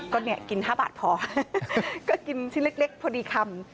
ก็กิน๕บาทพอก็กินชิ้นเล็กพอดีคัม